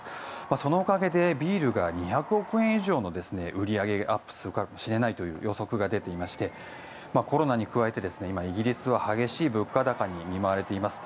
そのおかげでビールが２００億円以上の売り上げがアップするかもしれないという予測が出ていましてコロナに加えて、イギリスは激しい物価高に見舞われています。